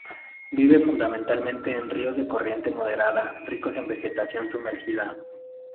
Vive fundamentalmente en ríos de corriente moderada ricos en vegetación sumergida.